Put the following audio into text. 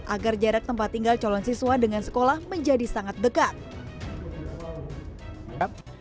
agar jarak tempat tinggal calon siswa dengan sekolah menjadi sangat dekat